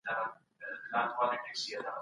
پوهان د نوې ټکنالوژۍ څخه استفاده کوي.